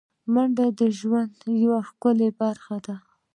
منډه د ژوند یوه ښکلی برخه ده